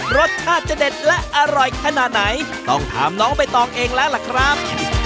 รสชาติจะเด็ดและอร่อยขนาดไหนต้องถามน้องใบตองเองแล้วล่ะครับ